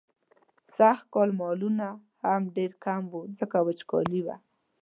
سږکال مالونه هم ډېر کم وو، ځکه وچکالي وه.